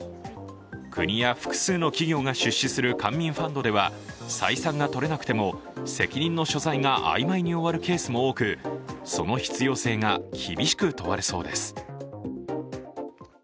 国や複数の企業が出資する官民ファンドでは採算がとれなくても責任の所在が曖昧に終わるケースも多くその必要性が厳しく問われそうです。